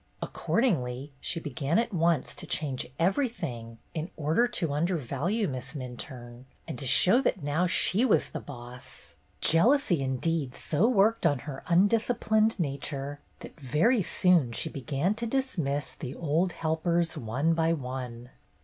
Accordingly, she began at once to change everything in order to undervalue Miss Minturne, and to show that now she was the "boss." Jealousy, indeed, so worked on her undisciplined nature that very soon she began to dismiss the old helpers one by one.